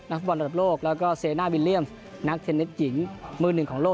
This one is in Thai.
ฟุตบอลระดับโลกแล้วก็เซน่าวิลเลี่ยมนักเทนนิสหญิงมือหนึ่งของโลก